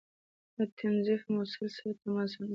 له تنظيف مسؤل سره تماس ونيسئ